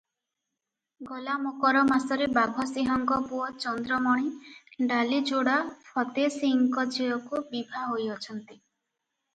ଗଲା ମକର ମାସରେ ବାଘସିଂହଙ୍କ ପୁଅ ଚନ୍ଦ୍ରମଣି ଡାଳିଯୋଡ଼ା ଫତେସିଂହଙ୍କ ଝିଅକୁ ବିଭା ହୋଇଅଛନ୍ତି ।